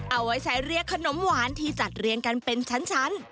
เอาไว้ใช้เรียกขนมหวานที่จัดเรียงกันเป็นชั้น